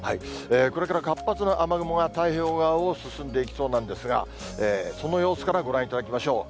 これから活発な雨雲が太平洋側を進んでいきそうなんですが、その様子からご覧いただきましょう。